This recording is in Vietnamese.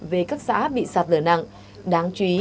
về các xã bị sạt lở nặng đáng chú ý